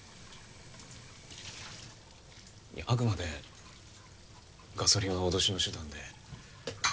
あくまでガソリンは脅しの手段で。